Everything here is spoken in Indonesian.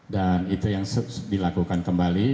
dan itu yang dilakukan kembali